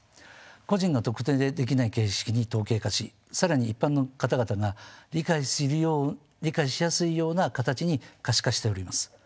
個人の特定できない形式に統計化し更に一般の方々が理解しやすいような形に可視化しております。